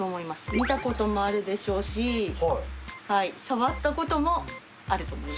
見たこともあるでしょうし、触ったこともあると思います。